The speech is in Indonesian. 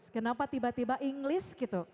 kenapa tiba tiba inglis gitu